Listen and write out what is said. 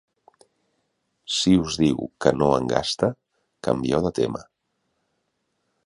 Si us diu que no en gasta, canvieu de tema.